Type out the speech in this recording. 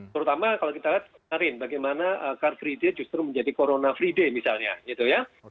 terutama kalau kita lihat kemarin bagaimana car free day justru menjadi corona free day misalnya gitu ya